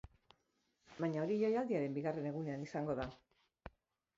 Baina hori jaialdiaren bigarren egunean izango da.